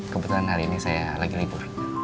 kebetulan hari ini saya lagi libur